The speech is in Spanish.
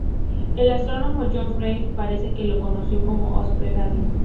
El astrónomo John Flamsteed parece que la conoció como Os Pegasi.